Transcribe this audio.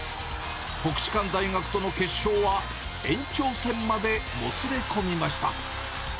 国士舘大学との決勝は、延長戦までもつれ込みました。